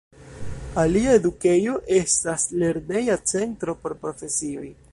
Alia edukejo estas lerneja centro por profesioj.